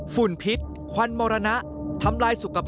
ฝุ่นพิษควันมรณะทำลายสุขภาพ